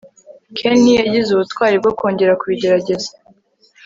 ken ntiyagize ubutwari bwo kongera kubigerageza